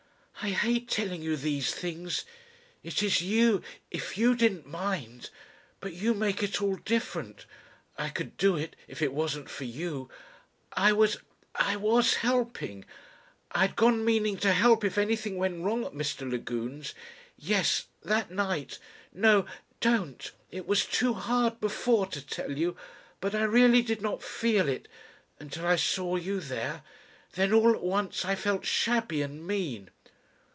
"I hate telling you these things. It is you ... If you didn't mind ... But you make it all different. I could do it if it wasn't for you. I was ... I was helping ... I had gone meaning to help if anything went wrong at Mr. Lagune's. Yes that night. No ... don't! It was too hard before to tell you. But I really did not feel it ... until I saw you there. Then all at once I felt shabby and mean."